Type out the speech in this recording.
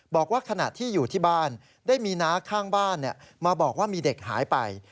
บอกว่าขณะที่อยู่ที่บ้านได้มีน้าข้างบ้านมาบอกว่ามีเด็กหายไป